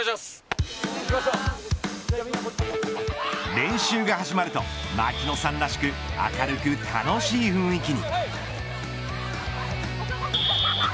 練習が始まると槙野さんらしく明るく楽しい雰囲気に。